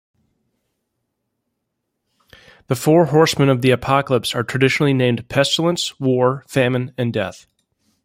The Four Horsemen of the Apocalypse are traditionally named Pestilence, War, Famine, and Death.